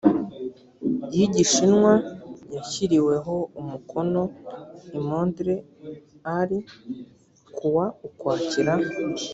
y igishinwa yashyiriweho umukono i montr al kuwa ukwakira